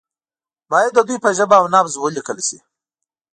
باید د دوی په ژبه او نبض ولیکل شي.